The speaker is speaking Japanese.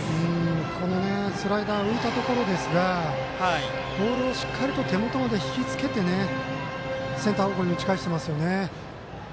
このスライダー浮いたところですがボールをしっかりと手元まで引きつけてセンター方向に打ち返してますね。